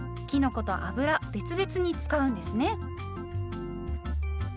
きのこと油別々に使うんですね。